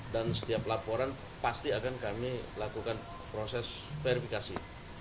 dan setiap laporan pasti akan kami lakukan proses verifikasi